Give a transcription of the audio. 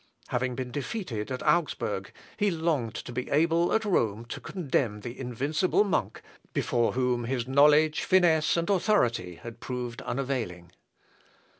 Having been defeated at Augsburg, he longed to be able at Rome to condemn the invincible monk, before whom his knowledge, finesse, and authority had proved unavailing.